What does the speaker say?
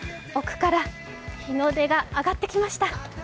奥から日の出が上がってきました。